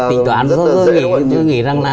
rất là dễ tôi nghĩ rằng là